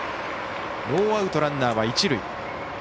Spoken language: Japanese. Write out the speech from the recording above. ノーアウト、ランナーは一塁。